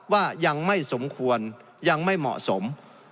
ว่ายังไม่สมควรยังไม่เหมาะสม